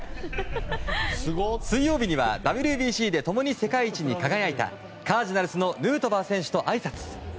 水曜日にはＷＢＣで共に世界一に輝いたカージナルスのヌートバー選手とあいさつ。